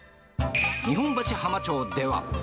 日本橋浜町では。